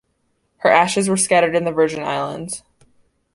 Her ashes were scattered in the Virgin Islands.